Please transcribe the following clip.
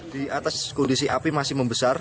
di atas kondisi api masih membesar